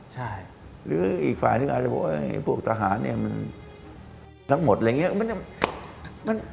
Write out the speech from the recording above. หรืออีกฝ่ายนึงอาจจะพูดว่าพวกทหารทั้งหมดอะไรอย่างนี้